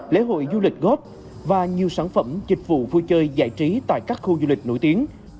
lễ hội du lịch góp và nhiều sản phẩm dịch vụ vui chơi giải trí tại các khu du lịch nổi tiếng